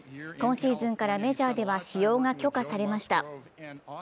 今シーズンからメジャーでは使用が許可されました。